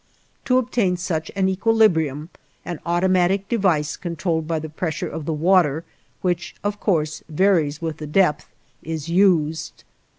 To obtain such an equilibrium, an automatic device controlled by the pressure of the water, which, of course, varies with the depth, is used.